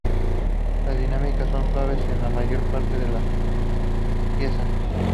Las dinámicas son suaves en la mayor parte de la pieza.